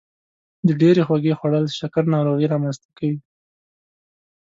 د ډیرې خوږې خوړل شکر ناروغي رامنځته کوي.